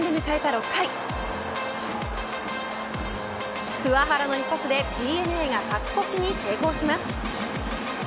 ６回桑原の一発でＤｅＮＡが勝ち越しに成功します。